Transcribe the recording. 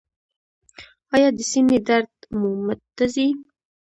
ایا د سینې درد مو مټ ته ځي؟